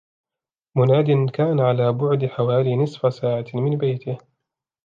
مناد كان على بعد حوالي نصف ساعة من بيته.